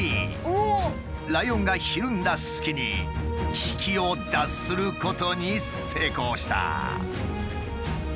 ライオンがひるんだ隙に危機を脱することに成功した。